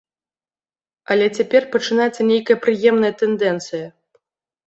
Але цяпер пачынаецца нейкая прыемная тэндэнцыя.